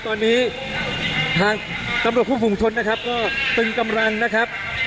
ตอนนี้ทางตำรวจคู่ภูมิชนนะครับก็ตึงกำลังนะครับ